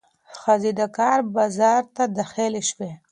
ښځې د کار بازار ته داخلې شوې.